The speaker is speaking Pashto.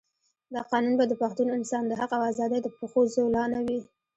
دا قانون به د پښتون انسان د حق او آزادۍ د پښو زولانه وي.